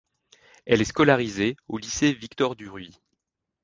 Elle est scolarisée au lycée Victor-Duruy.